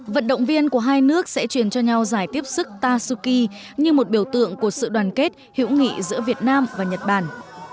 vận động viên của hai nước sẽ truyền cho nhau giải tiếp sức tasuki như một biểu tượng của sự đoàn kết hữu nghị giữa việt nam và nhật bản